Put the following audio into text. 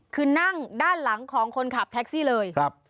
คือนั่งด้านหลังของคนขับแท็กซี่เลยครับ